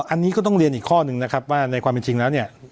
อันนี้ก็ต้องเรียนอีกข้อนึงนะครับว่าในความเป็นจริงแล้วเนี่ย